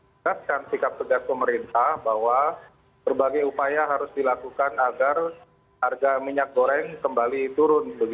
jelaskan sikap tegas pemerintah bahwa berbagai upaya harus dilakukan agar harga minyak goreng kembali turun